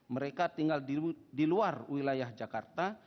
mereka tinggal di luar wilayah jakarta